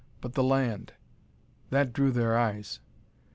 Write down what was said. But the land, that drew their eyes!